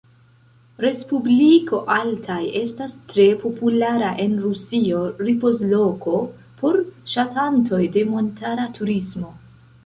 Respubliko Altaj estas tre populara en Rusio ripozloko por ŝatantoj de montara turismo.